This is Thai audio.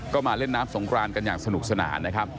ก็มาเล่นน้ำสงครานกันอย่างสนุกสนานนะครับ